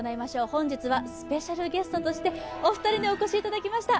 本日はスペシャルゲストとしてお二人にお越しいただきました。